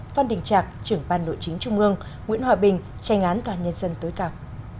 phan đình trạc trưởng ban nội chính trung mương nguyễn hòa bình tranh án toàn nhân dân tối cạp